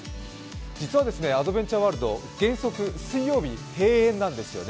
実はアドベンチャーワールド原則、水曜日閉園なんですよね。